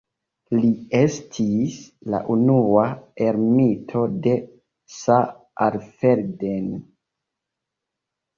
Li estis la unua ermito de Saalfelden.